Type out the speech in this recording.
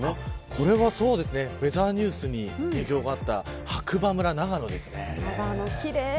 これはウェザーニュースに提供があった白馬村、長野です。